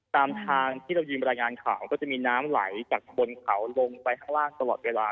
ตามทางที่เรายืมรายงานข่าวก็จะมีน้ำไหลจากบนเขาลงไปข้างล่างตลอดเวลา